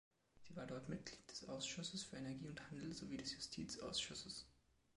Sie war dort Mitglied des Ausschusses für Energie und Handel sowie des Justizausschusses.